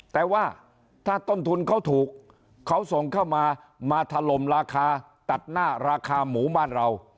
แต่ว่าถ้าต้นทุนเขาถูกเขาส่งเข้ามามาถล่มราคาตัดหน้าราคาหมูบ้านเรา